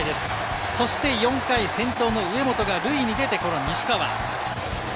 ４回、先頭の上本が塁に出て西川。